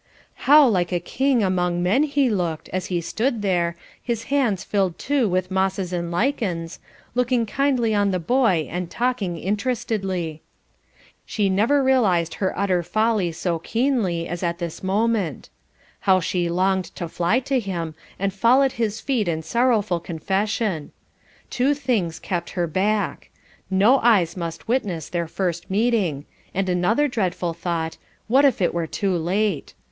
How like a king among men he looked, as he stood there, his hands filled too with mosses and lichens, looking kindly on the boy and talking interestedly. She never realised her utter folly so keenly as at this moment. How she longed to fly to him and fall at his feet in sorrowful confession. Two things kept her back: no eyes must witness their first meeting, and another dreadful thought what if it were too late.